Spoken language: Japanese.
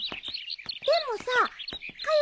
でもさかよ